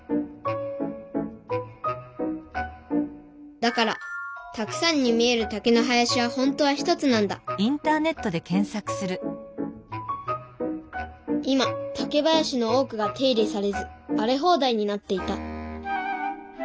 だからたくさんに見える竹の林は本当は１つなんだ今竹林の多くが手入れされずあれほうだいになっていた。